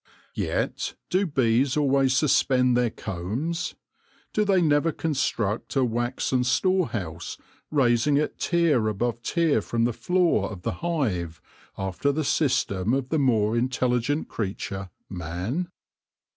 Yet, do bees always suspend their combs ? Do they never construct a waxen storehouse, raising it tier above tier from the floor of the hive, after the system of the more intelligent creature, Man